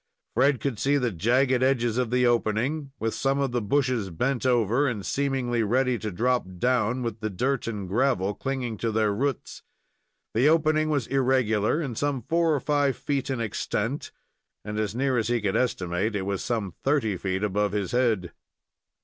Fred could see the jagged edges of the opening, with some of the bushes bent over, and seemingly ready to drop down, with the dirt and gravel clinging to their roots. The opening was irregular, and some four or five feet in extent, and, as near as he could estimate, was some thirty feet above his head.